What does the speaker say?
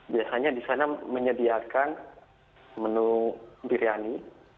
biasanya di sana menyediakan menu biryani